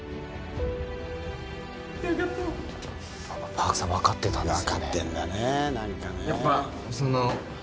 Ｐａｒｋさん分かってたんですよね。